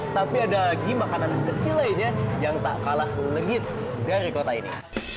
tapi ada lagi makanan kecil lainnya yang tak kalah legit dari kota ini